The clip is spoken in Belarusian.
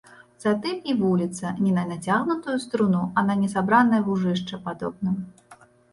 Затым і вуліца не на нацягнутую струну, а на несабранае вужышча падобна.